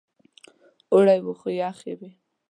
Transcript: اوړی و خو یخې وې.